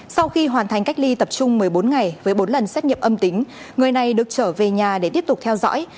sau khi hoàn thành cách ly tập trung một mươi bốn ngày với bốn lần xét nghiệm âm tính người này được trở về nhà để tiếp tục theo dõi